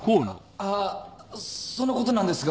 ああっそのことなんですが。